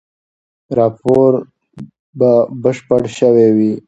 راپور به بشپړ شوی وي.